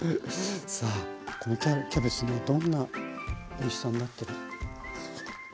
さあこのキャベツねどんなおいしさになってる。